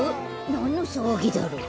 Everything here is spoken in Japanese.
なんのさわぎだろう。